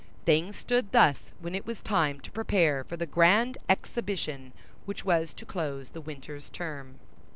Things stood thus when it was time to prepare for the grand exhibition which was to close the winter's term.